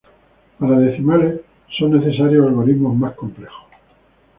Para decimales, son necesarios algoritmos más complejos.